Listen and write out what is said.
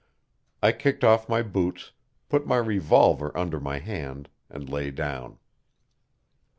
I kicked off my boots, put my revolver under my hand, and lay down.